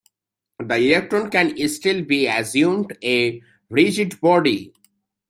The electron can still be assumed a rigid body.